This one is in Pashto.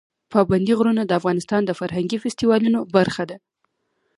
پابندی غرونه د افغانستان د فرهنګي فستیوالونو برخه ده.